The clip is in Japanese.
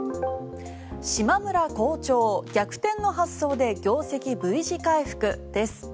しまむら好調逆転の発想で業績Ｖ字回復です。